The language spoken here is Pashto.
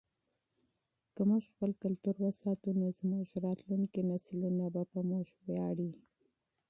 که موږ خپل کلتور وساتو نو زموږ نسلونه به په موږ ویاړي.